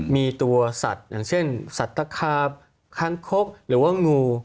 มีตัวสัตว์อย่างเช่นสัตว์ตะคางคกหรือว่างู